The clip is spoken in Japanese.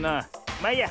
まあいいや。